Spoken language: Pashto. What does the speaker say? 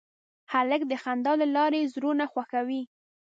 هلک د خندا له لارې زړونه خوښوي.